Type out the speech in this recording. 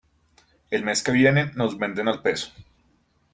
El mes que viene nos venden al peso.